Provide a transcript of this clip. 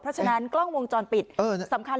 เพราะฉะนั้นกล้องวงจรปิดสำคัญเลยนะครับ